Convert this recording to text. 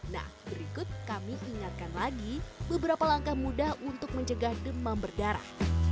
nah berikut kami ingatkan lagi beberapa langkah mudah untuk mencegah demam berdarah